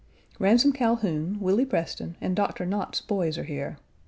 Ransom Calhoun, Willie Preston, and Doctor Nott's boys are here.